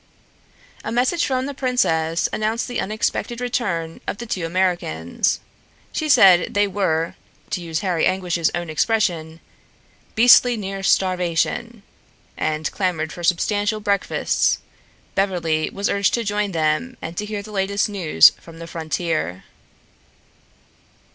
A message from the princess announced the unexpected return of the two Americans. She said they were (to use Harry Anguish's own expression) "beastly near starvation" and clamored for substantial breakfasts, Beverly was urged to join them and to hear the latest news from the frontier.